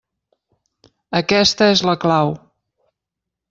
Aquesta és la clau.